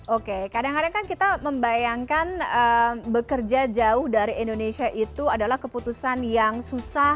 oke kadang kadang kan kita membayangkan bekerja jauh dari indonesia itu adalah keputusan yang susah